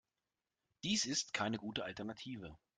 Dies ist keine gute Alternative.